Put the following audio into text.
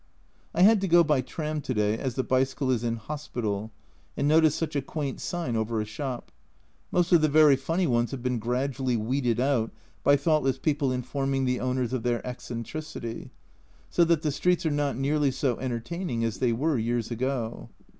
I had to go by tram to day, as the bicycle is in hospital, and noticed such a quaint sign over a shop. Most of the very funny ones have been gradually weeded out by thoughtless people informing the owners of their eccentricity, so that the streets are not nearly so entertaining as they were years ago.